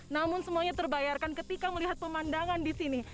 namun semuanya terbayarkan ketika melihat pemandangan di sini